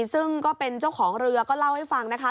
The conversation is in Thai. ซึ่งก็เป็นเจ้าของเรือก็เล่าให้ฟังนะคะ